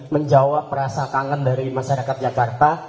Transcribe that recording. menjawab rasa kangen dari masyarakat jakarta